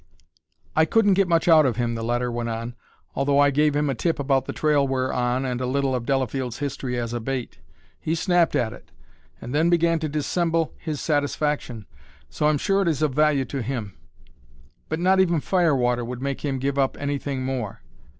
"I couldn't get much out of him," the letter went on, "although I gave him a tip about the trail we're on and a little of Delafield's history as a bait. He snapped at it, and then began to dissemble his satisfaction, so I'm sure it is of value to him. But not even firewater would make him give up anything more.